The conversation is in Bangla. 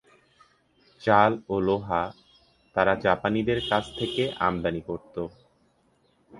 চাল ও লোহা তারা জাপানিদের কাছ থেকে আমদানি করত।